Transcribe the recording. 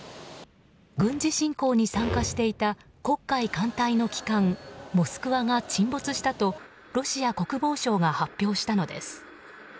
軍事侵攻に参加していた黒海艦隊の旗艦「モスクワ」が沈没したとロシア国防省が発表したのです。